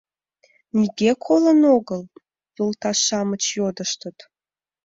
— Нигӧ колын огыл? — йолташ-шамыч йодыштыт.